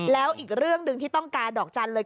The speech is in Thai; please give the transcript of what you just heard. แล้วอีกเรื่องหนึ่งที่ต้องการดอกจันทร์เลย